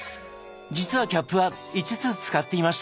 実はキャップは５つ使っていました！